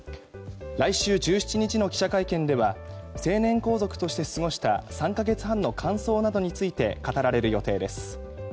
来週１７日の記者会見では成年皇族として過ごした３か月半の感想などについて語られる予定です。